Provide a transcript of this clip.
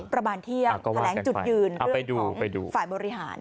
ประมาณเที่ยงแถลงจุดยืนเพื่อไปดูฝ่ายบริหาร